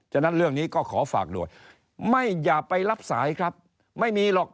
ฉะนั้นเรื่องนี้ก็ขอฝากด่วนไม่อย่าไปรับสายครับไม่มีหรอก